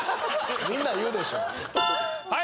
・みんな言うでしょ・はい！